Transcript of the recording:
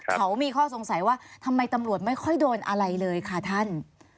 เขามีข้อสงสัยว่าทำไมตำรวจไม่ค่อยโดนอะไรเลยค่ะท่าน